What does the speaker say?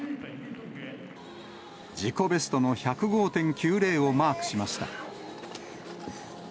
自己ベストの１０５．９０をマークしました。